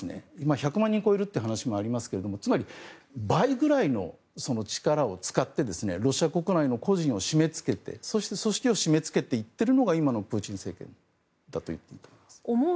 １００万人超えるという話もありますがつまり、倍くらいの力を使ってロシア国内の個人を締め付けてそして組織を締め付けて行っているのが今のプーチン政権だといっていいと思います。